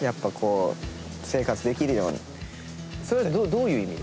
それどういう意味で？